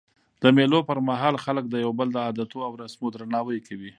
د مېلو پر مهال خلک د یو بل د عادتو او رسمو درناوی کوي.